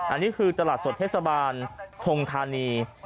อันนี้คือตลาดสดเทศบาลทงธานี